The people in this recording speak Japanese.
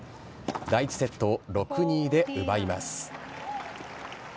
第１セットを６ー２で奪います。